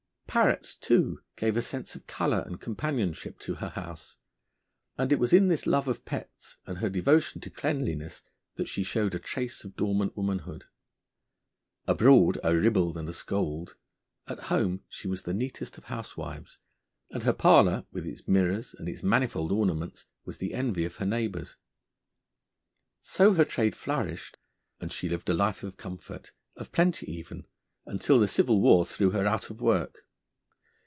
Parrots, too, gave a sense of colour and companionship to her house; and it was in this love of pets, and her devotion to cleanliness, that she showed a trace of dormant womanhood. Abroad a ribald and a scold, at home she was the neatest of housewives, and her parlour, with its mirrors and its manifold ornaments, was the envy of the neighbours. So her trade flourished, and she lived a life of comfort, of plenty even, until the Civil War threw her out of work.